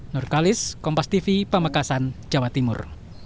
nur kalis kompastv pemekasan jawa timur